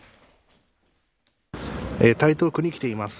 台東区に来ています。